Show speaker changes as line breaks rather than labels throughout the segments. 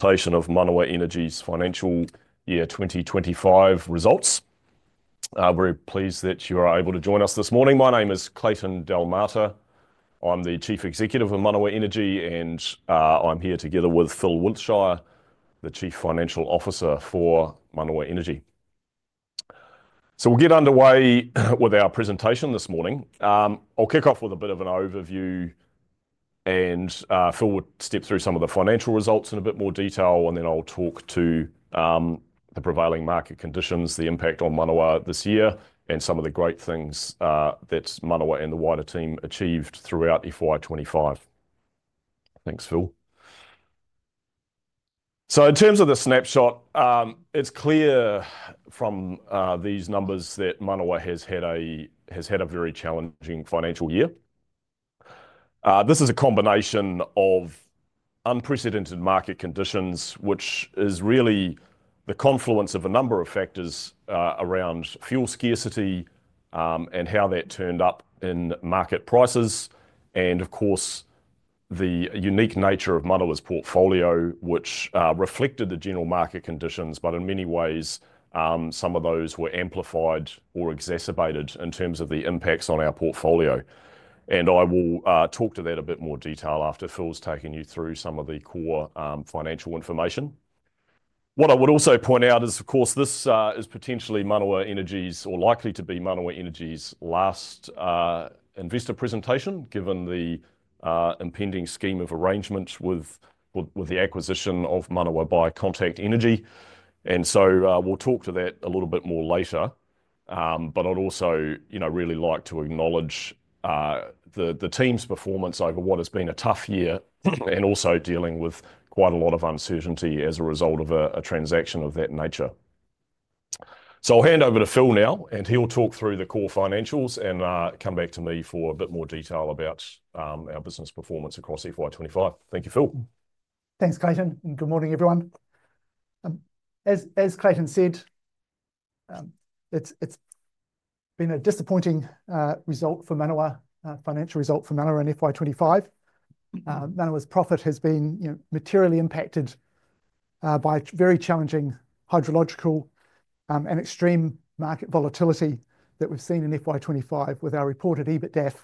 Association of Manawa Energy's financial year 2025 results. We're pleased that you are able to join us this morning. My name is Clayton Delmarter. I'm the Chief Executive of Manawa Energy, and I'm here together with Phil Wiltshire, the Chief Financial Officer for Manawa Energy. We'll get underway with our presentation this morning. I'll kick off with a bit of an overview, and Phil will step through some of the financial results in a bit more detail, and then I'll talk to the prevailing market conditions, the impact on Manawa this year, and some of the great things that Manawa and the wider team achieved throughout FY 25. Thanks, Phil. In terms of the snapshot, it's clear from these numbers that Manawa has had a very challenging financial year. This is a combination of unprecedented market conditions, which is really the confluence of a number of factors around fuel scarcity and how that turned up in market prices, and of course, the unique nature of Manawa's portfolio, which reflected the general market conditions, but in many ways, some of those were amplified or exacerbated in terms of the impacts on our portfolio. I will talk to that in a bit more detail after Phil's taken you through some of the core financial information. What I would also point out is, of course, this is potentially Manawa Energy's, or likely to be Manawa Energy's, last investor presentation, given the impending scheme of arrangement with the acquisition of Manawa by Contact Energy. We'll talk to that a little bit more later, but I'd also really like to acknowledge the team's performance over what has been a tough year and also dealing with quite a lot of uncertainty as a result of a transaction of that nature. I'll hand over to Phil now, and he'll talk through the core financials and come back to me for a bit more detail about our business performance across FY 2025. Thank you, Phil.
Thanks, Clayton. Good morning, everyone. As Clayton said, it's been a disappointing result for Manawa, financial result for Manawa in FY 2025. Manawa's profit has been materially impacted by very challenging hydrological and extreme market volatility that we've seen in FY 2025, with our reported EBITDA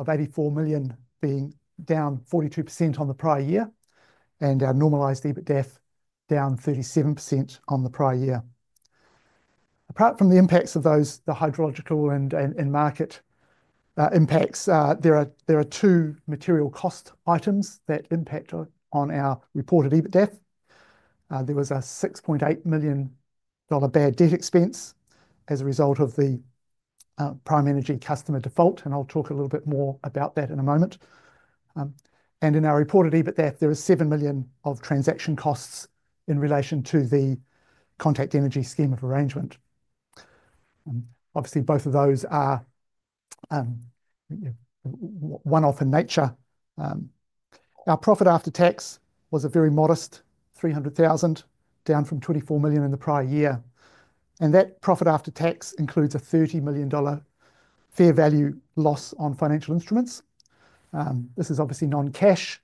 of 84 million being down 42% on the prior year and our normalised EBITDA down 37% on the prior year. Apart from the impacts of those, the hydrological and market impacts, there are two material cost items that impact on our reported EBITDA. There was a 6.8 million dollar bad debt expense as a result of the Prime Energy customer default, and I'll talk a little bit more about that in a moment. In our reported EBITDA, there are 7 million of transaction costs in relation to the Contact Energy scheme of arrangement. Obviously, both of those are one-off in nature. Our profit after tax was a very modest 300,000, down from 24 million in the prior year. That profit after tax includes a 30 million dollar fair value loss on financial instruments. This is obviously non-cash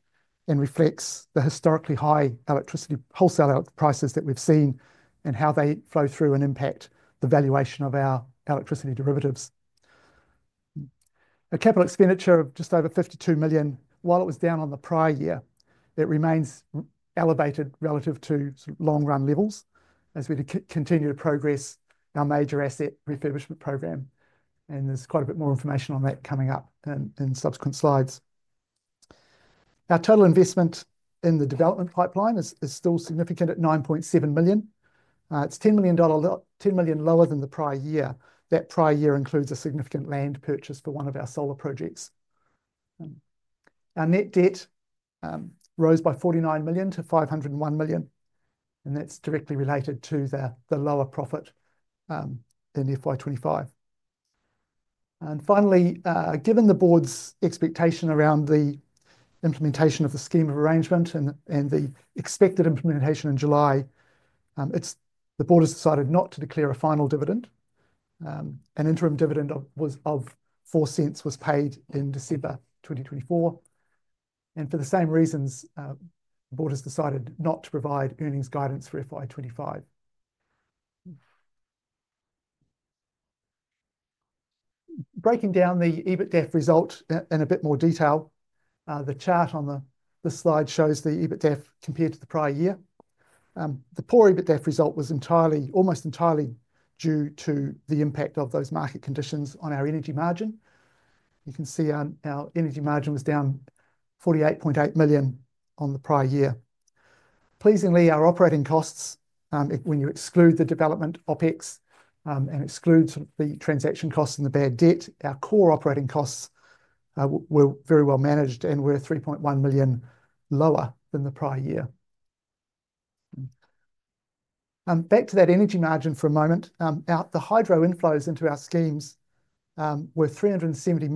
and reflects the historically high electricity wholesale prices that we've seen and how they flow through and impact the valuation of our electricity derivatives. A capital expenditure of just over 52 million, while it was down on the prior year, remains elevated relative to long-run levels as we continue to progress our major asset refurbishment program. There is quite a bit more information on that coming up in subsequent slides. Our total investment in the development pipeline is still significant at 9.7 million. It is 10 million lower than the prior year. That prior year includes a significant land purchase for one of our solar projects. Our net debt rose by 49 million to 501 million, and that's directly related to the lower profit in FY 2025. Finally, given the board's expectation around the implementation of the scheme of arrangement and the expected implementation in July, the board has decided not to declare a final dividend. An interim dividend of 0.04 was paid in December 2024. For the same reasons, the board has decided not to provide earnings guidance for FY 2025. Breaking down the EBITDA result in a bit more detail, the chart on the slide shows the EBITDA compared to the prior year. The poor EBITDA result was almost entirely due to the impact of those market conditions on our energy margin. You can see our energy margin was down 48.8 million on the prior year. Pleasingly, our operating costs, when you exclude the development OpEx and exclude the transaction costs and the bad debt, our core operating costs were very well managed and were 3.1 million lower than the prior year. Back to that energy margin for a moment, the hydro inflows into our schemes were 370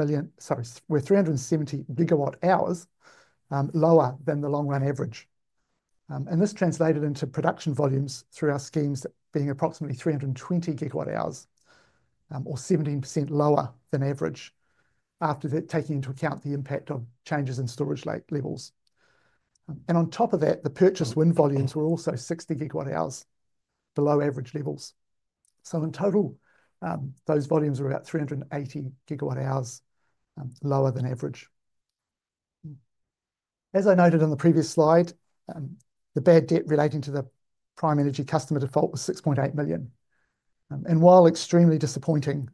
GWh lower than the long-run average. This translated into production volumes through our schemes being approximately 320 GWh, or 17% lower than average after taking into account the impact of changes in storage levels. On top of that, the purchase wind volumes were also 60 GWh below average levels. In total, those volumes were about 380 GWh lower than average. As I noted on the previous slide, the bad debt relating to the Prime Energy customer default was 6.8 million. While extremely disappointing,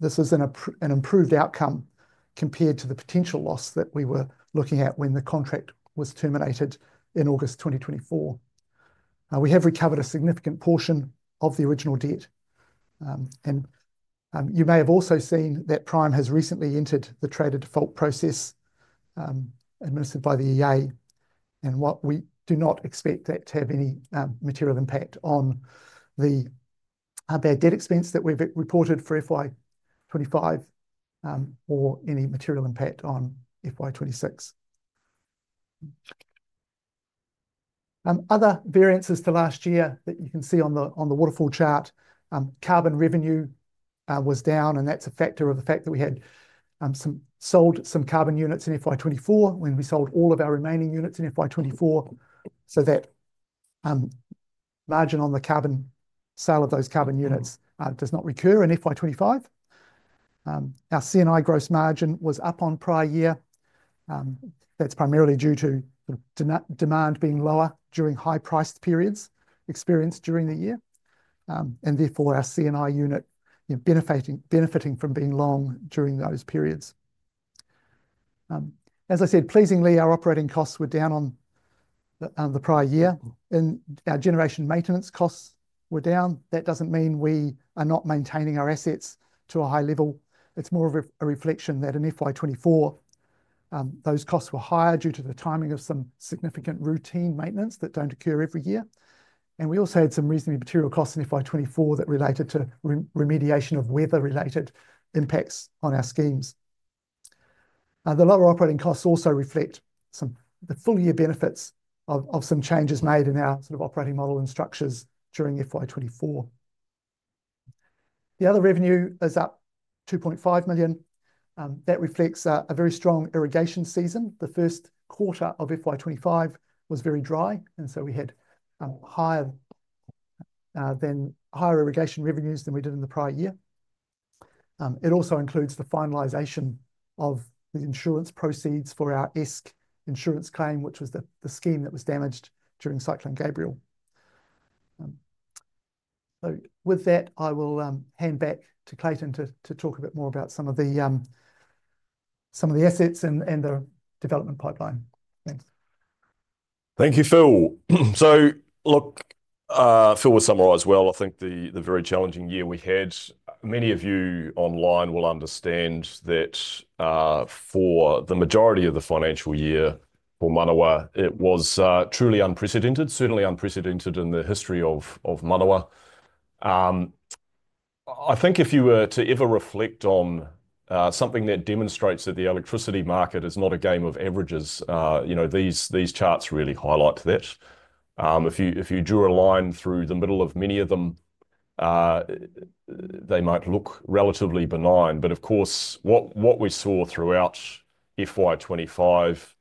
this was an improved outcome compared to the potential loss that we were looking at when the contract was terminated in August 2024. We have recovered a significant portion of the original debt. You may have also seen that Prime has recently entered the traded default process administered by the EA, and we do not expect that to have any material impact on the bad debt expense that we have reported for FY 2025 or any material impact on FY 2026. Other variances to last year that you can see on the waterfall chart, carbon revenue was down, and that is a factor of the fact that we had sold some carbon units in FY 2024 when we sold all of our remaining units in FY 2024. That margin on the carbon sale of those carbon units does not recur in FY 2025. Our CNI gross margin was up on prior year. That's primarily due to demand being lower during high-priced periods experienced during the year, and therefore our CNI unit benefiting from being long during those periods. As I said, pleasingly, our operating costs were down on the prior year, and our generation maintenance costs were down. That doesn't mean we are not maintaining our assets to a high level. It's more of a reflection that in FY 2024, those costs were higher due to the timing of some significant routine maintenance that don't occur every year. We also had some reasonably material costs in FY 2024 that related to remediation of weather-related impacts on our schemes. The lower operating costs also reflect the full year benefits of some changes made in our operating model and structures during FY 2024. The other revenue is up 2.5 million. That reflects a very strong irrigation season. The first quarter of FY 2025 was very dry, and so we had higher irrigation revenues than we did in the prior year. It also includes the finalization of the insurance proceeds for our ESC insurance claim, which was the scheme that was damaged during Cyclone Gabriel. With that, I will hand back to Clayton to talk a bit more about some of the assets and the development pipeline. Thanks.
Thank you, Phil. Phil summarized well. I think the very challenging year we had, many of you online will understand that for the majority of the financial year for Manawa, it was truly unprecedented, certainly unprecedented in the history of Manawa. I think if you were to ever reflect on something that demonstrates that the electricity market is not a game of averages, these charts really highlight that. If you drew a line through the middle of many of them, they might look relatively benign. Of course, what we saw throughout FY 2025,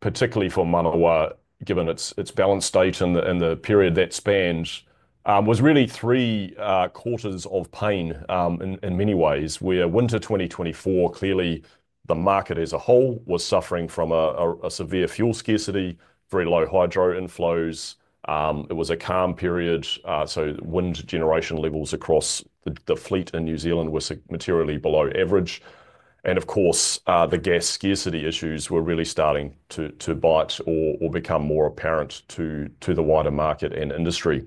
particularly for Manawa, given its balance state and the period that spanned, was really three quarters of pain in many ways, where winter 2024, clearly the market as a whole was suffering from a severe fuel scarcity, very low hydro inflows. It was a calm period, so wind generation levels across the fleet in New Zealand were materially below average. Of course, the gas scarcity issues were really starting to bite or become more apparent to the wider market and industry.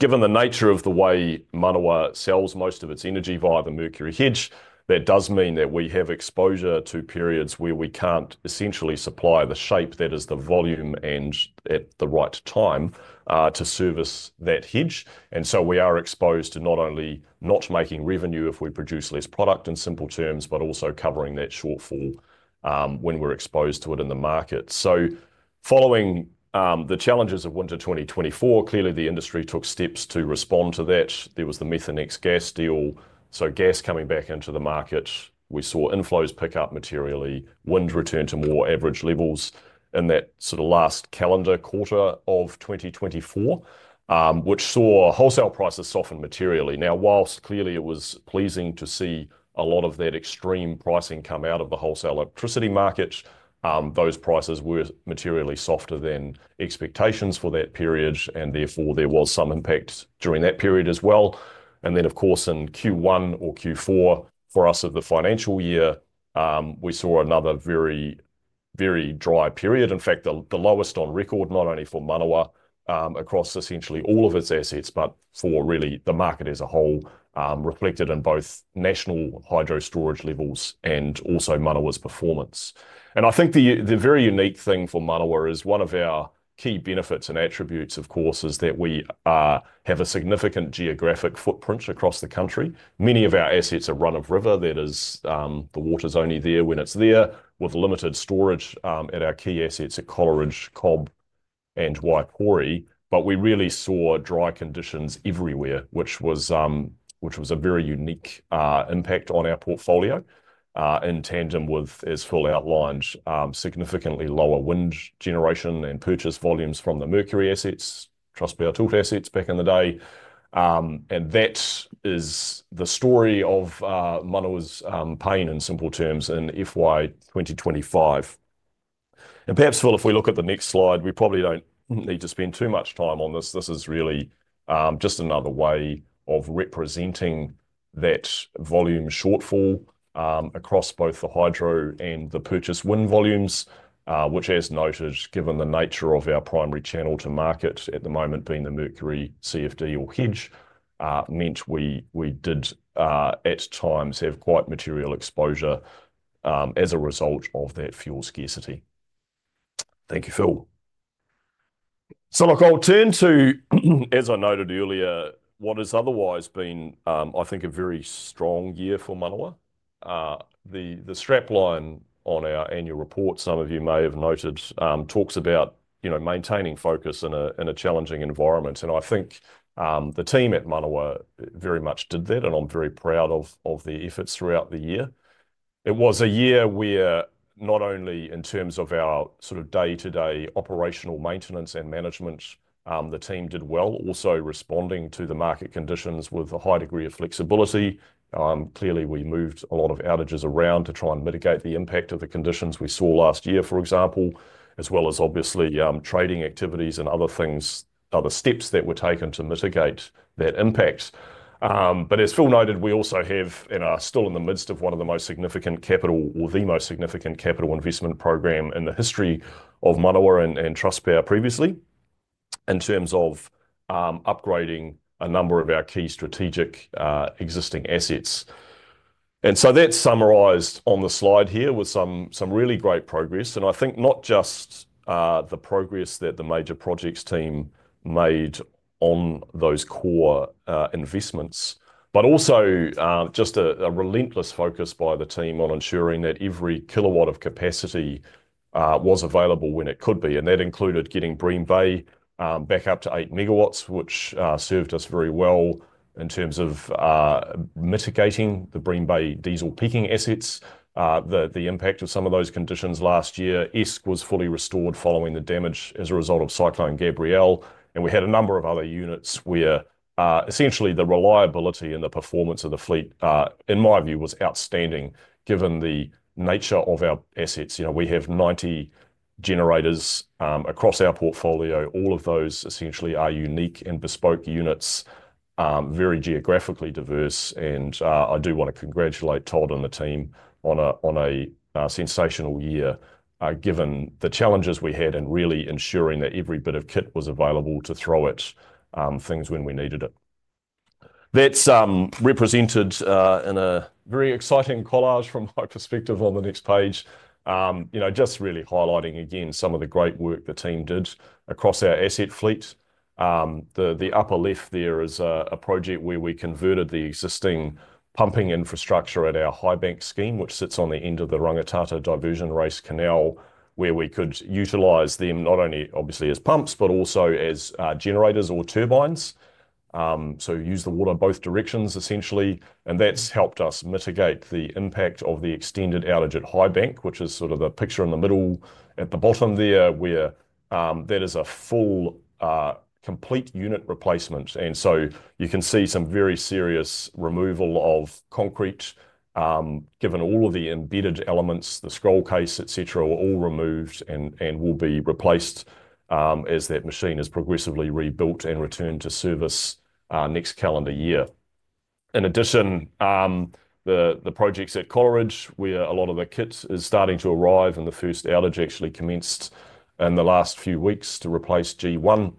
Given the nature of the way Manawa sells most of its energy via the Mercury Hedge, that does mean that we have exposure to periods where we cannot essentially supply the shape that is the volume and at the right time to service that hedge. We are exposed to not only not making revenue if we produce less product in simple terms, but also covering that shortfall when we are exposed to it in the market. Following the challenges of winter 2024, clearly the industry took steps to respond to that. There was the Methanex gas deal, so gas coming back into the market. We saw inflows pick up materially. Wind returned to more average levels in that sort of last calendar quarter of 2024, which saw wholesale prices soften materially. Now, whilst clearly it was pleasing to see a lot of that extreme pricing come out of the wholesale electricity market, those prices were materially softer than expectations for that period, and therefore there was some impact during that period as well. Of course, in Q1 or Q4 for us of the financial year, we saw another very, very dry period. In fact, the lowest on record, not only for Manawa across essentially all of its assets, but for really the market as a whole, reflected in both national hydro storage levels and also Manawa's performance. I think the very unique thing for Manawa is one of our key benefits and attributes, of course, is that we have a significant geographic footprint across the country. Many of our assets are run of river. That is, the water's only there when it's there, with limited storage at our key assets at Coleridge, Cobb, and Waipori. We really saw dry conditions everywhere, which was a very unique impact on our portfolio in tandem with, as Phil outlined, significantly lower wind generation and purchase volumes from the Mercury assets, Trustpower assets back in the day. That is the story of Manawa's pain in simple terms in FY 2025. Perhaps, Phil, if we look at the next slide, we probably don't need to spend too much time on this. This is really just another way of representing that volume shortfall across both the hydro and the purchase wind volumes, which, as noted, given the nature of our primary channel to market at the moment being the Mercury CFD or hedge, meant we did at times have quite material exposure as a result of that fuel scarcity. Thank you, Phil. I will turn to, as I noted earlier, what has otherwise been, I think, a very strong year for Manawa. The strap line on our annual report, some of you may have noted, talks about maintaining focus in a challenging environment. I think the team at Manawa very much did that, and I am very proud of the efforts throughout the year. It was a year where not only in terms of our sort of day-to-day operational maintenance and management, the team did well, also responding to the market conditions with a high degree of flexibility. Clearly, we moved a lot of outages around to try and mitigate the impact of the conditions we saw last year, for example, as well as obviously trading activities and other things, other steps that were taken to mitigate that impact. As Phil noted, we also have and are still in the midst of one of the most significant capital or the most significant capital investment program in the history of Manawa and Trustpower previously in terms of upgrading a number of our key strategic existing assets. That is summarized on the slide here with some really great progress. I think not just the progress that the major projects team made on those core investments, but also just a relentless focus by the team on ensuring that every kilowatt of capacity was available when it could be. That included getting Bream Bay back up to 8 MW, which served us very well in terms of mitigating the Bream Bay diesel peaking assets, the impact of some of those conditions last year. ESC was fully restored following the damage as a result of Cyclone Gabrielle. We had a number of other units where essentially the reliability and the performance of the fleet, in my view, was outstanding given the nature of our assets. We have 90 generators across our portfolio. All of those essentially are unique and bespoke units, very geographically diverse. I do want to congratulate Todd and the team on a sensational year given the challenges we had and really ensuring that every bit of kit was available to throw at things when we needed it. That is represented in a very exciting collage from my perspective on the next page, just really highlighting again some of the great work the team did across our asset fleet. The upper left there is a project where we converted the existing pumping infrastructure at our Highbank scheme, which sits on the end of the Rangitata Diversion Race Canal, where we could utilize them not only obviously as pumps, but also as generators or turbines. So use the water both directions essentially. That has helped us mitigate the impact of the extended outage at Highbank, which is sort of the picture in the middle at the bottom there where that is a full complete unit replacement. You can see some very serious removal of concrete given all of the embedded elements, the scroll case, et cetera, were all removed and will be replaced as that machine is progressively rebuilt and returned to service next calendar year. In addition, the projects at Coleridge, where a lot of the kit is starting to arrive and the first outage actually commenced in the last few weeks to replace G1.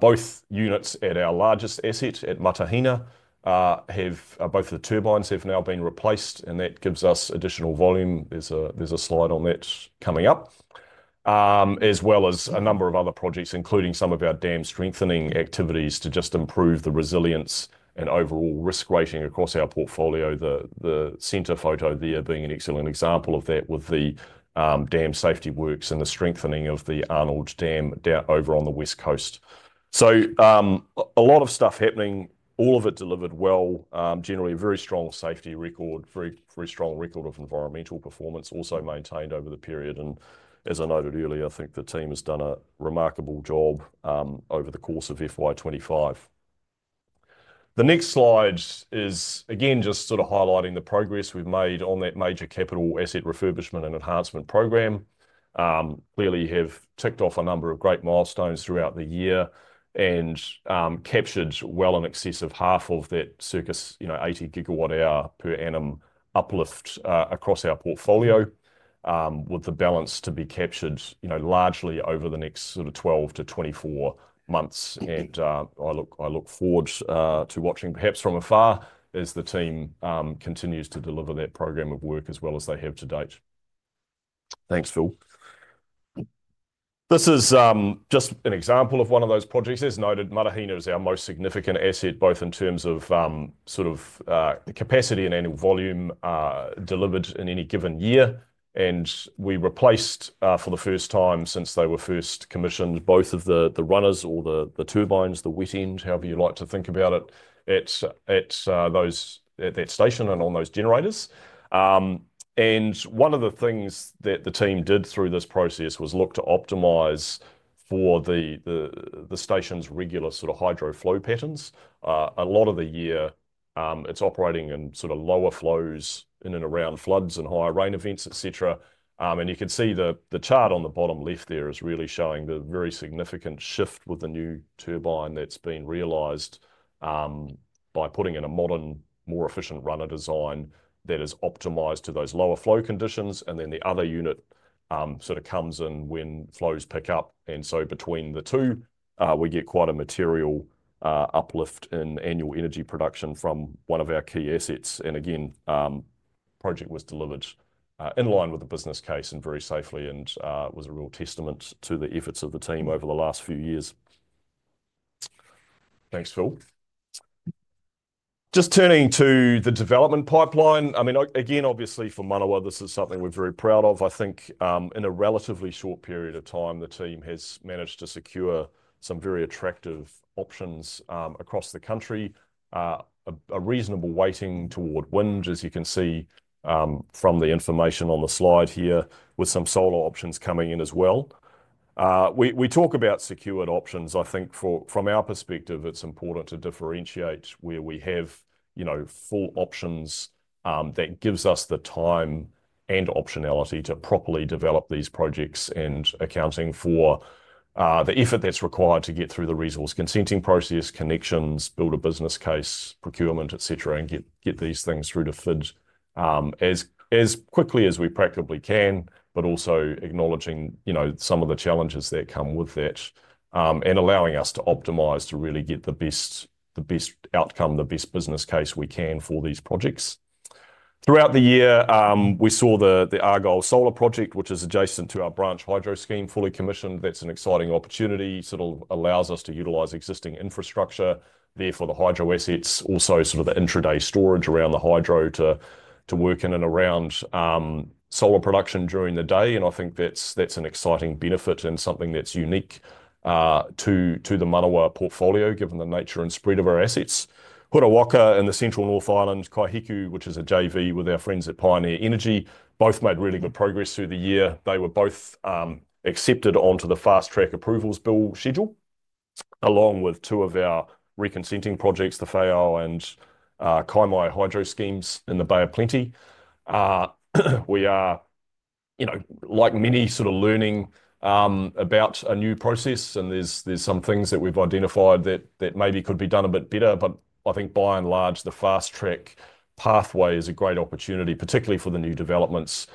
Both units at our largest asset at Matahina have both the turbines have now been replaced, and that gives us additional volume. There's a slide on that coming up, as well as a number of other projects, including some of our dam strengthening activities to just improve the resilience and overall risk rating across our portfolio. The center photo there being an excellent example of that with the dam safety works and the strengthening of the Arnold Dam over on the West Coast. A lot of stuff happening, all of it delivered well, generally a very strong safety record, very strong record of environmental performance also maintained over the period. As I noted earlier, I think the team has done a remarkable job over the course of FY 2025. The next slide is again just sort of highlighting the progress we've made on that major capital asset refurbishment and enhancement program. Clearly, you have ticked off a number of great milestones throughout the year and captured well in excess of half of that, circa 80 GWh per annum uplift across our portfolio, with the balance to be captured largely over the next sort of 12-24 months. I look forward to watching perhaps from afar as the team continues to deliver that program of work as well as they have to date. Thanks, Phil. This is just an example of one of those projects. As noted, Matahina is our most significant asset, both in terms of sort of capacity and annual volume delivered in any given year. We replaced for the first time since they were first commissioned both of the runners, or the turbines, the wet end, however you like to think about it, at that station and on those generators. One of the things that the team did through this process was look to optimize for the station's regular sort of hydro flow patterns. A lot of the year it's operating in sort of lower flows in and around floods and higher rain events, et cetera. You can see the chart on the bottom left there is really showing the very significant shift with the new turbine that's been realized by putting in a modern, more efficient runner design that is optimized to those lower flow conditions. The other unit sort of comes in when flows pick up. Between the two, we get quite a material uplift in annual energy production from one of our key assets. The project was delivered in line with the business case and very safely and was a real testament to the efforts of the team over the last few years. Thanks, Phil. Just turning to the development pipeline. I mean, again, obviously for Manawa, this is something we're very proud of. I think in a relatively short period of time, the team has managed to secure some very attractive options across the country, a reasonable weighting toward wind, as you can see from the information on the slide here with some solar options coming in as well. We talk about secured options. I think from our perspective, it's important to differentiate where we have full options that gives us the time and optionality to properly develop these projects and accounting for the effort that's required to get through the resource consenting process, connections, build a business case, procurement, et cetera, and get these things through to FID as quickly as we practically can, but also acknowledging some of the challenges that come with that and allowing us to optimize to really get the best outcome, the best business case we can for these projects. Throughout the year, we saw the Argyle Solar project, which is adjacent to our branch hydro scheme, fully commissioned. That's an exciting opportunity. It sort of allows us to utilize existing infrastructure there for the hydro assets, also sort of the intraday storage around the hydro to work in and around solar production during the day. I think that's an exciting benefit and something that's unique to the Manawa portfolio given the nature and spread of our assets. Hutawaka in the Central North Island, Kaihiku, which is a JV with our friends at Pioneer Energy, both made really good progress through the year. They were both accepted onto the fast track approvals bill schedule along with two of our reconsenting projects, the FAO and Kaimai hydro schemes in the Bay of Plenty. We are, like many, sort of learning about a new process, and there's some things that we've identified that maybe could be done a bit better. I think by and large, the fast track pathway is a great opportunity, particularly for the new developments,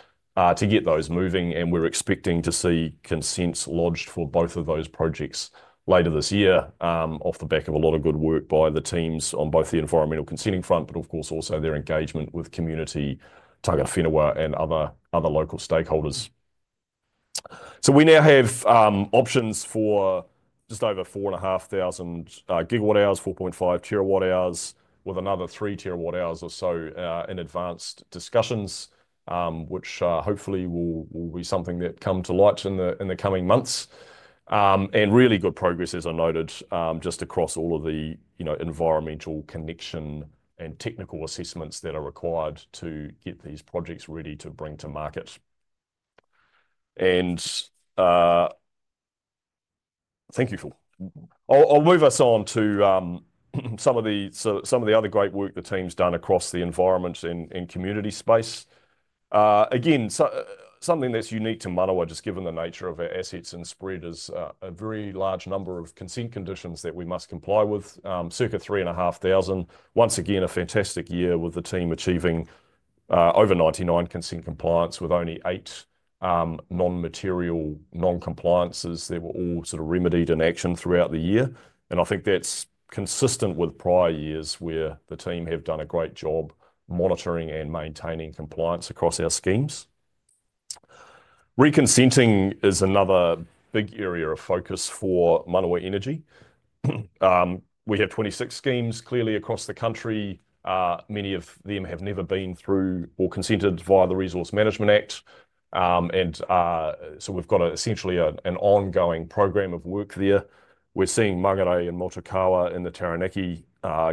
to get those moving. We're expecting to see consents lodged for both of those projects later this year off the back of a lot of good work by the teams on both the environmental consenting front, but of course also their engagement with community, tangata whenua, and other local stakeholders. We now have options for just over 4,500 GWh, 4.5 TWh, with another 3 TWh or so in advanced discussions, which hopefully will be something that comes to light in the coming months. Really good progress, as I noted, just across all of the environmental, connection, and technical assessments that are required to get these projects ready to bring to market. Thank you, Phil. I'll move us on to some of the other great work the team's done across the environment and community space. Again, something that's unique to Manawa, just given the nature of our assets and spread, is a very large number of consent conditions that we must comply with, circa 3,500. Once again, a fantastic year with the team achieving over 99% consent compliance with only eight non-material non-compliances that were all sort of remedied in action throughout the year. I think that's consistent with prior years where the team have done a great job monitoring and maintaining compliance across our schemes. Reconsenting is another big area of focus for Manawa Energy. We have 26 schemes clearly across the country. Many of them have never been through or consented via the Resource Management Act. We have essentially an ongoing program of work there. We're seeing Mangorei and Motukawa in the Taranaki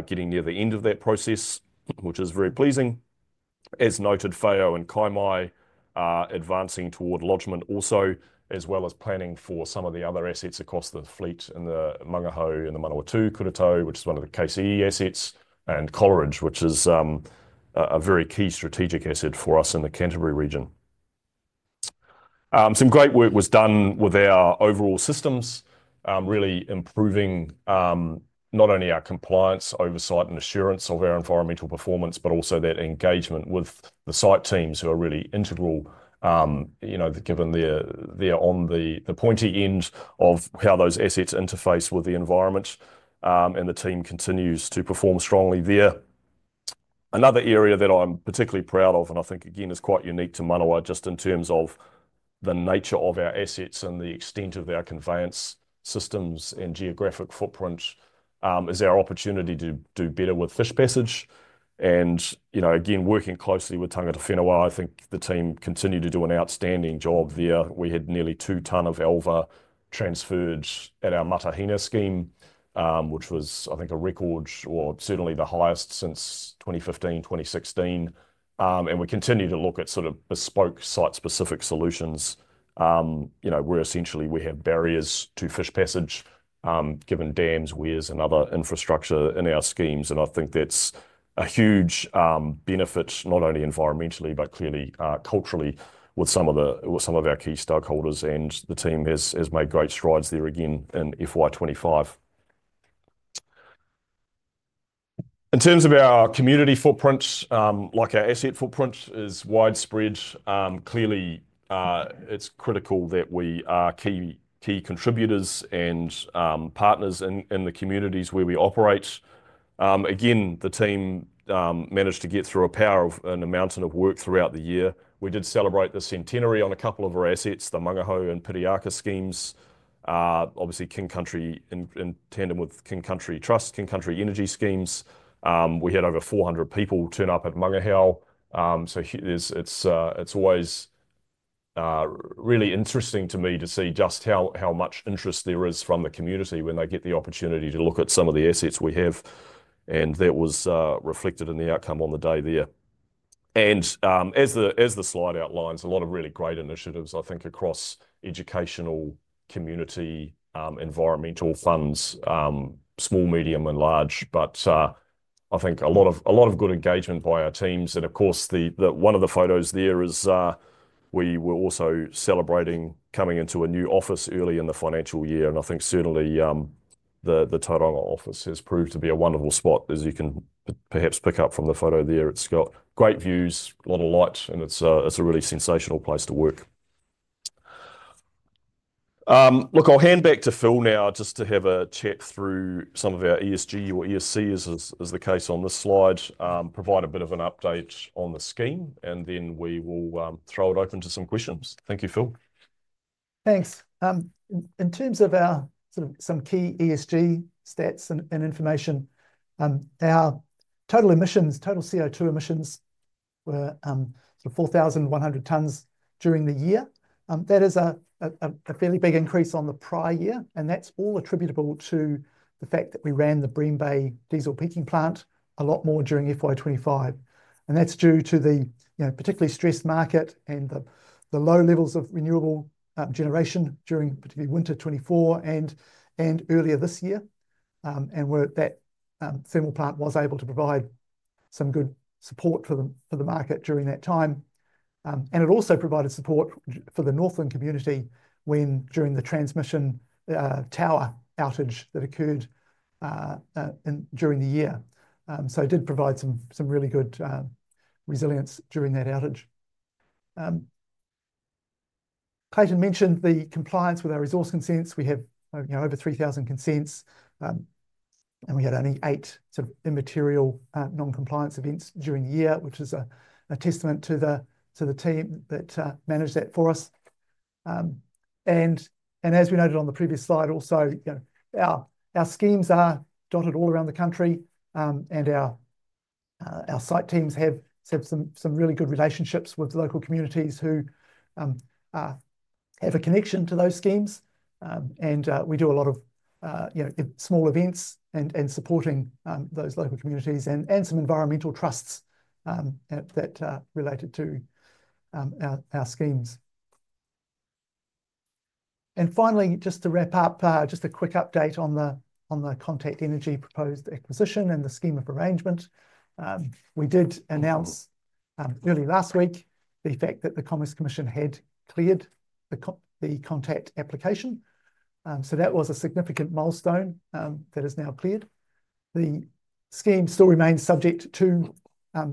getting near the end of that process, which is very pleasing. As noted, FAO and Kaimai advancing toward lodgement also, as well as planning for some of the other assets across the fleet in the Mangahao and the Manawatu, Kuratau, which is one of the KCE assets, and Coleridge, which is a very key strategic asset for us in the Canterbury region. Some great work was done with our overall systems, really improving not only our compliance, oversight, and assurance of our environmental performance, but also that engagement with the site teams who are really integral, given they're on the pointy end of how those assets interface with the environment, and the team continues to perform strongly there. Another area that I'm particularly proud of, and I think again is quite unique to Manawa, just in terms of the nature of our assets and the extent of our conveyance systems and geographic footprint, is our opportunity to do better with fish passage. Again, working closely with tangata whenua, I think the team continued to do an outstanding job there. We had nearly 2 tonne of alva transferred at our Matahina scheme, which was, I think, a record or certainly the highest since 2015, 2016. We continue to look at sort of bespoke site-specific solutions where essentially we have barriers to fish passage given dams, weirs, and other infrastructure in our schemes. I think that's a huge benefit, not only environmentally, but clearly culturally with some of our key stakeholders. The team has made great strides there again in FY 2025. In terms of our community footprint, like our asset footprint is widespread, clearly it is critical that we are key contributors and partners in the communities where we operate. Again, the team managed to get through a power of an amount of work throughout the year. We did celebrate the centenary on a couple of our assets, the Mangahao and Piriaka schemes, obviously King Country in tandem with King Country Trust, King Country Energy schemes. We had over 400 people turn up at Mangahao. It is always really interesting to me to see just how much interest there is from the community when they get the opportunity to look at some of the assets we have. That was reflected in the outcome on the day there. As the slide outlines, a lot of really great initiatives, I think, across educational community, environmental funds, small, medium, and large. I think a lot of good engagement by our teams. Of course, one of the photos there is we were also celebrating coming into a new office early in the financial year. I think certainly the Tauranga office has proved to be a wonderful spot, as you can perhaps pick up from the photo there. It's got great views, a lot of light, and it's a really sensational place to work. Look, I'll hand back to Phil now just to have a check through some of our ESG or ESC, as the case on this slide, provide a bit of an update on the scheme, and then we will throw it open to some questions. Thank you, Phil.
Thanks. In terms of our sort of some key ESG stats and information, our total emissions, total CO2 emissions were 4,100 tonnes during the year. That is a fairly big increase on the prior year, and that's all attributable to the fact that we ran the Bream Bay diesel peaking plant a lot more during FY 2025. That's due to the particularly stressed market and the low levels of renewable generation during particularly winter 2024 and earlier this year. That thermal plant was able to provide some good support for the market during that time. It also provided support for the northern community during the transmission tower outage that occurred during the year. It did provide some really good resilience during that outage. Clayton mentioned the compliance with our resource consents. We have over 3,000 consents, and we had only eight sort of immaterial non-compliance events during the year, which is a testament to the team that managed that for us. As we noted on the previous slide also, our schemes are dotted all around the country, and our site teams have some really good relationships with local communities who have a connection to those schemes. We do a lot of small events and supporting those local communities and some environmental trusts that are related to our schemes. Finally, just to wrap up, just a quick update on the Contact Energy proposed acquisition and the scheme of arrangement. We did announce early last week the fact that the Commerce Commission had cleared the Contact application. That was a significant milestone that is now cleared. The scheme still remains subject to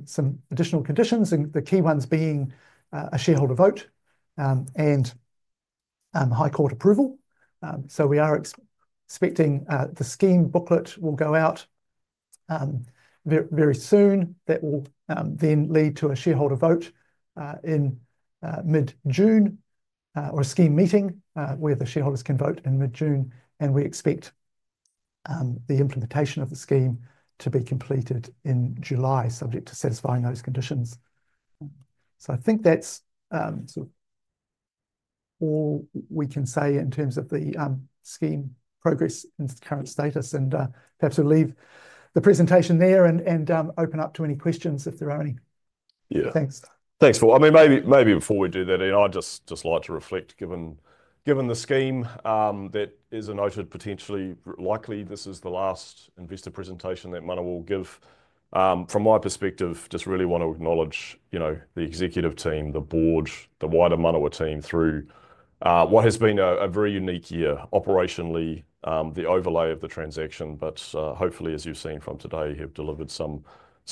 some additional conditions, the key ones being a shareholder vote and High Court approval. We are expecting the scheme booklet will go out very soon. That will then lead to a shareholder vote in mid-June or a scheme meeting where the shareholders can vote in mid-June. We expect the implementation of the scheme to be completed in July, subject to satisfying those conditions. I think that's all we can say in terms of the scheme progress and current status. Perhaps we'll leave the presentation there and open up to any questions if there are any.
Yeah.
Thanks.
Thanks, Phil. I mean, maybe before we do that, I'd just like to reflect, given the scheme that is a noted potentially likely this is the last investor presentation that Manawa will give. From my perspective, just really want to acknowledge the executive team, the board, the wider Manawa team through what has been a very unique year operationally, the overlay of the transaction. Hopefully, as you have seen from today, have delivered some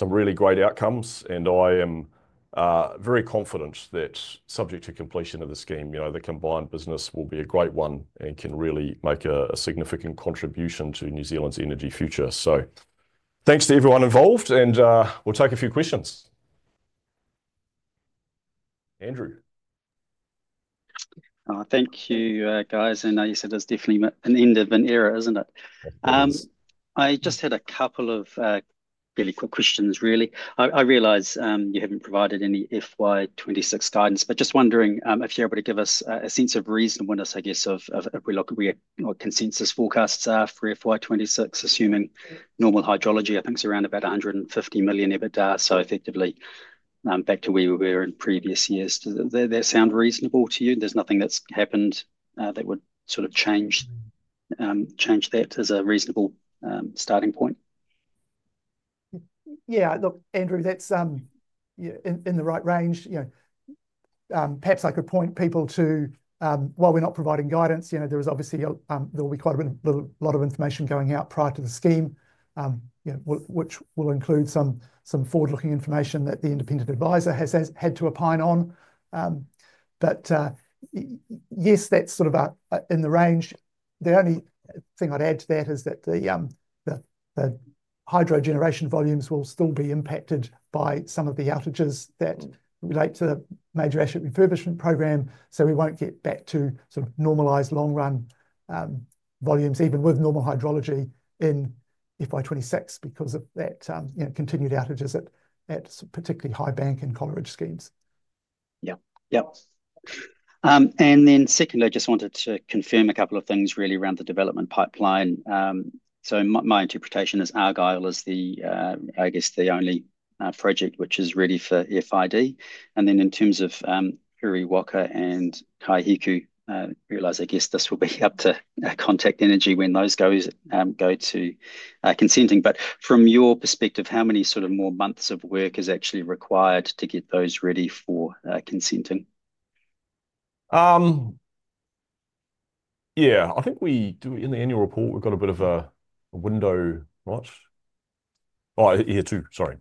really great outcomes. I am very confident that, subject to completion of the scheme, the combined business will be a great one and can really make a significant contribution to New Zealand's energy future. Thanks to everyone involved, and we will take a few questions. Andrew.
Thank you, guys. I know you said there is definitely an end of an era, is not it? I just had a couple of really quick questions, really. I realize you have not provided any FY 2026 guidance, but just wondering if you are able to give us a sense of reasonableness, I guess, of where consensus forecasts are for FY 2026, assuming normal hydrology. I think it is around about 150 million EBITDA. Effectively back to where we were in previous years. Does that sound reasonable to you? There's nothing that's happened that would sort of change that as a reasonable starting point?
Yeah, look, Andrew, that's in the right range. Perhaps I could point people to, while we're not providing guidance, there is obviously there will be quite a lot of information going out prior to the scheme, which will include some forward-looking information that the independent advisor has had to opine on. Yes, that's sort of in the range. The only thing I'd add to that is that the hydro generation volumes will still be impacted by some of the outages that relate to the major asset refurbishment program. We won't get back to sort of normalised long-run volumes, even with normal hydrology in FY 2026, because of that continued outages at particularly Highbank and Coleridge schemes.
Yep, yep. Secondly, I just wanted to confirm a couple of things really around the development pipeline. My interpretation is Argyle is, I guess, the only project which is ready for FID. In terms of Kuru Waka and Kaihiku, I realize, I guess this will be up to Contact Energy when those go to consenting. From your perspective, how many more months of work is actually required to get those ready for consenting?
I think in the annual report, we have got a bit of a window, right? Here too, sorry.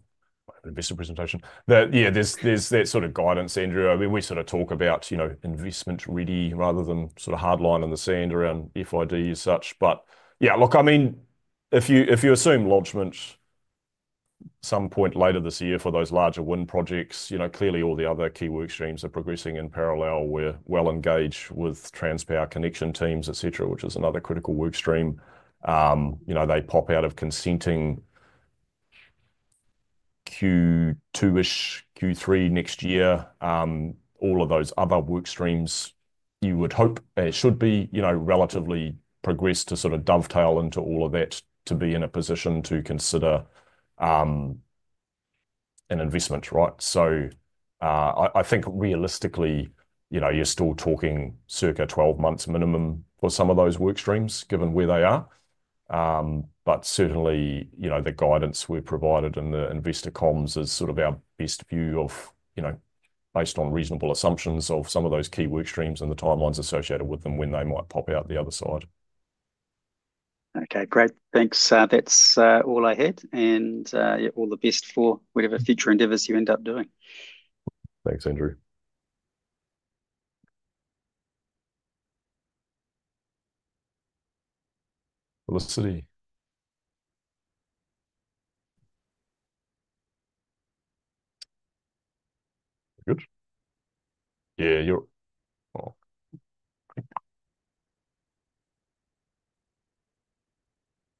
Investor presentation. There is that sort of guidance, Andrew. I mean, we sort of talk about investment ready rather than a hard line in the sand around FID and such. But yeah, look, I mean, if you assume lodgement at some point later this year for those larger wind projects, clearly all the other key work streams are progressing in parallel. We're well engaged with Transpower connection teams, etc., which is another critical work stream. They pop out of consenting Q2-ish, Q3 next year. All of those other work streams you would hope should be relatively progressed to sort of dovetail into all of that to be in a position to consider an investment, right? I think realistically, you're still talking circa 12 months minimum for some of those work streams given where they are. Certainly, the guidance we've provided and the investor comms is sort of our best view based on reasonable assumptions of some of those key work streams and the timelines associated with them when they might pop out the other side.
Okay, great. Thanks. That's all I had. All the best for whatever future endeavors you end up doing.
Thanks, Andrew. Felicity. Good. Yeah, you're okay.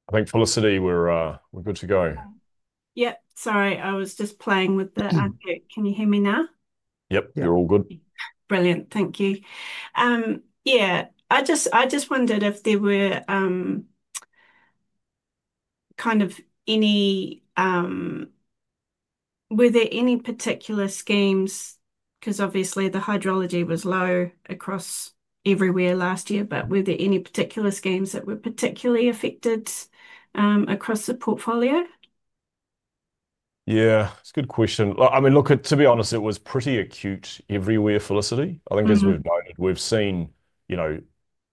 I think, Felicity, we're good to go. Yep, sorry, I was just playing with the. Can you hear me now? Yep, you're all good. Brilliant. Thank you. Yeah, I just wondered if there were kind of any, were there any particular schemes, because obviously the hydrology was low across everywhere last year, but were there any particular schemes that were particularly affected across the portfolio? Yeah, it's a good question. I mean, look, to be honest, it was pretty acute everywhere, Felicity. I think as we've noted, we've seen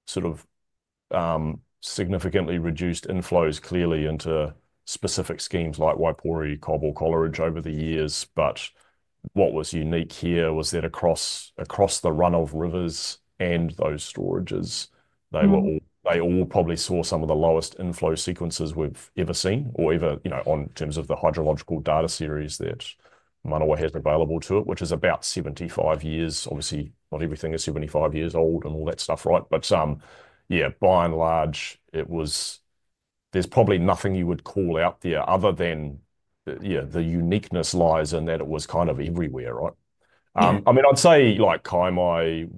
sort of significantly reduced inflows clearly into specific schemes like Waipori, Cobb, Coleridge over the years. What was unique here was that across the run of rivers and those storages, they all probably saw some of the lowest inflow sequences we have ever seen or even in terms of the hydrological data series that Manawa has available to it, which is about 75 years. Obviously, not everything is 75 years old and all that stuff, right? By and large, there is probably nothing you would call out there other than the uniqueness lies in that it was kind of everywhere, right? I mean, I would say like Kaimai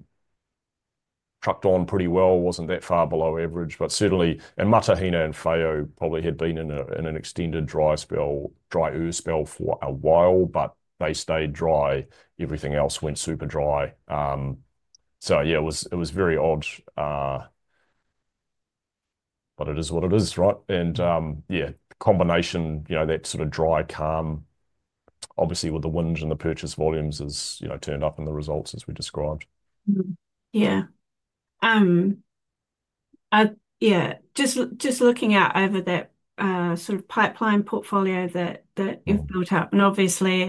trucked on pretty well, was not that far below average, but certainly Matahina and FAO probably had been in an extended dry spell, drier spell for a while, but they stayed dry. Everything else went super dry. It was very odd, but it is what it is, right? Yeah, combination, that sort of dry calm, obviously with the winds and the purchase volumes has turned up in the results as we described. Yeah, just looking out over that sort of pipeline portfolio that you've built up, and obviously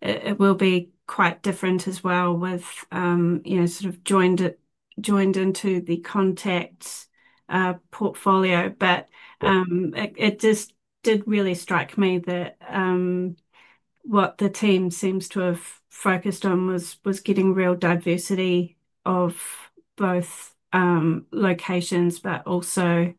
it will be quite different as well with sort of joined into the Contact portfolio. It just did really strike me that what the team seems to have focused on was getting real diversity of both locations, but also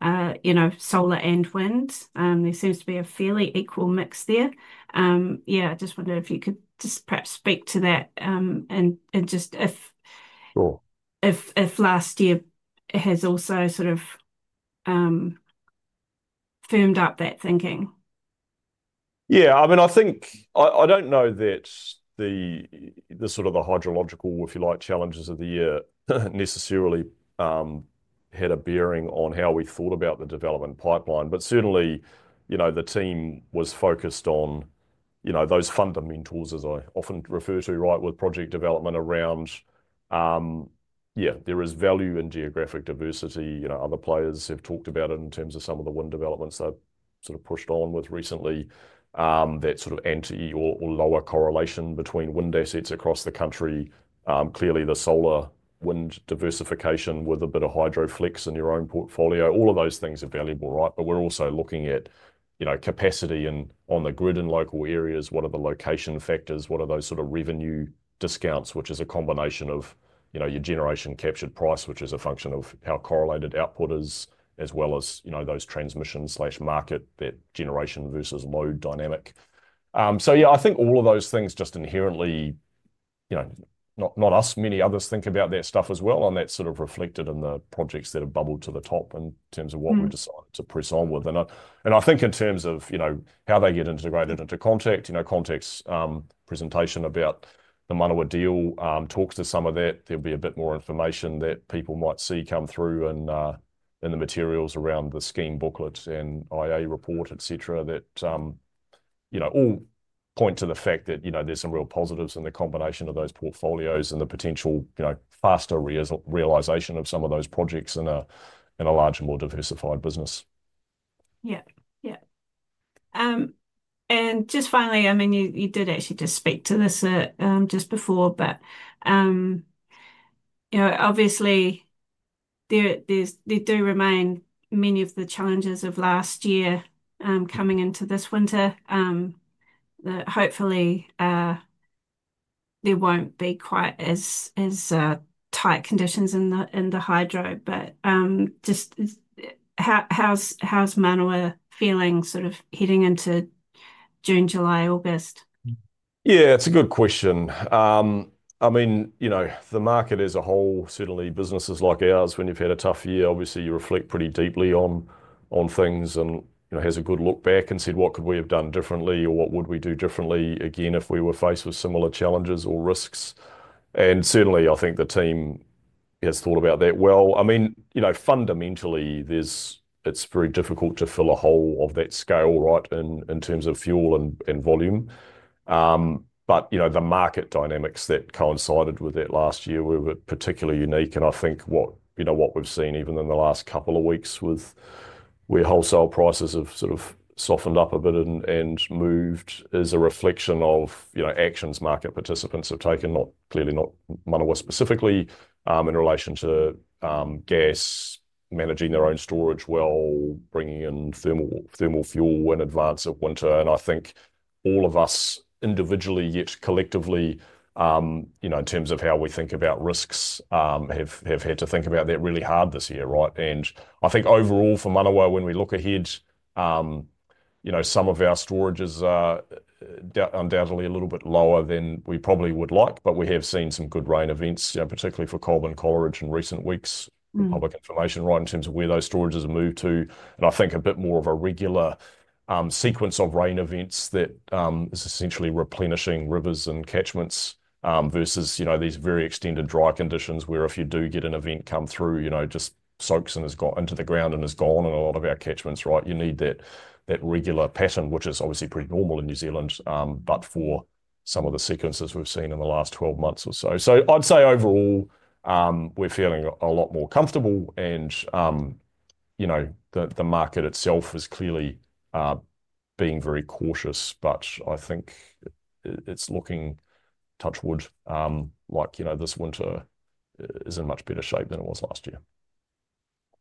solar and wind. There seems to be a fairly equal mix there. I just wondered if you could just perhaps speak to that and just if last year has also sort of firmed up that thinking. Yeah, I mean, I think I don't know that the sort of the hydrological, if you like, challenges of the year necessarily had a bearing on how we thought about the development pipeline. But certainly, the team was focused on those fundamentals, as I often refer to, right, with project development around, yeah, there is value in geographic diversity. Other players have talked about it in terms of some of the wind developments that sort of pushed on with recently, that sort of anti or lower correlation between wind assets across the country. Clearly, the solar wind diversification with a bit of hydroflex in your own portfolio. All of those things are valuable, right? We're also looking at capacity on the grid and local areas, what are the location factors, what are those sort of revenue discounts, which is a combination of your generation captured price, which is a function of how correlated output is, as well as those transmission/market, that generation versus load dynamic. Yeah, I think all of those things just inherently, not us, many others think about that stuff as well, and that's sort of reflected in the projects that have bubbled to the top in terms of what we've decided to press on with. I think in terms of how they get integrated into Contact, Contact's presentation about the Manawa deal talks to some of that. There'll be a bit more information that people might see come through in the materials around the scheme booklet and IA report, etc., that all point to the fact that there's some real positives in the combination of those portfolios and the potential faster realisation of some of those projects in a larger, more diversified business. Yeah, yeah. Just finally, I mean, you did actually just speak to this just before, but obviously there do remain many of the challenges of last year coming into this winter. Hopefully, there won't be quite as tight conditions in the hydro, but just how's Manawa feeling sort of heading into June, July, August? Yeah, it's a good question. I mean, the market as a whole, certainly businesses like ours, when you've had a tough year, obviously you reflect pretty deeply on things and have a good look back and say, "What could we have done differently?" or "What would we do differently again if we were faced with similar challenges or risks?" Certainly, I think the team has thought about that well. I mean, fundamentally, it's very difficult to fill a hole of that scale, right, in terms of fuel and volume. The market dynamics that coincided with that last year were particularly unique. I think what we've seen even in the last couple of weeks with where wholesale prices have sort of softened up a bit and moved is a reflection of actions market participants have taken, clearly not Manawa specifically, in relation to gas, managing their own storage well, bringing in thermal fuel in advance of winter. I think all of us individually, yet collectively, in terms of how we think about risks, have had to think about that really hard this year, right? I think overall for Manawa, when we look ahead, some of our storage is undoubtedly a little bit lower than we probably would like, but we have seen some good rain events, particularly for Cobb and Coleridge in recent weeks, public information, right, in terms of where those storages have moved to. I think a bit more of a regular sequence of rain events that is essentially replenishing rivers and catchments versus these very extended dry conditions where if you do get an event come through, it just soaks and has gone into the ground and has gone in a lot of our catchments, right? You need that regular pattern, which is obviously pretty normal in New Zealand, except for some of the sequences we have seen in the last 12 months or so. I would say overall, we are feeling a lot more comfortable. The market itself is clearly being very cautious, but I think it is looking, touch wood, like this winter is in much better shape than it was last year.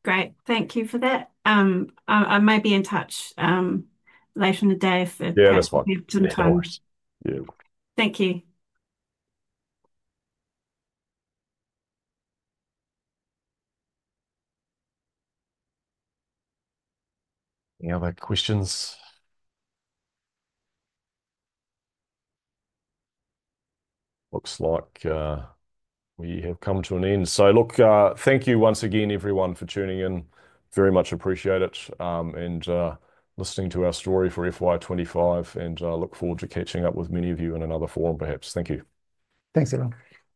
Great. Thank you for that. I may be in touch later in the day if we have some time. Yeah. Thank you. Any other questions? Looks like we have come to an end. Thank you once again, everyone, for tuning in. Very much appreciate it and listening to our story for FY 2025, and I look forward to catching up with many of you in another forum, perhaps. Thank you.
Thanks, everyone.